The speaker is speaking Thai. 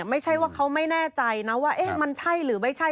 ไม่ใช่ว่าเขาไม่แน่ใจนะว่ามันใช่หรือไม่ใช่